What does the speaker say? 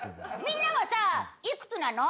みんなはさいくつなの？